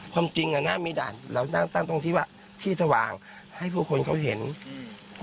ความจริงอ่ะหน้ามีด่านเรานั่งตั้งตรงที่ว่าที่สว่างให้ผู้คนเขาเห็นอืม